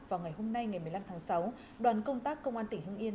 vào ngày hôm nay ngày một mươi năm tháng sáu đoàn công tác công an tỉnh hưng yên